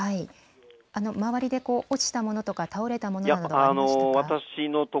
周りで落ちたものとか倒れたものはありましたか。